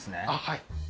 はい。